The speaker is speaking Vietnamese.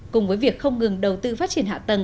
cùng với việc không ngừng đầu tư phát triển hạ tầng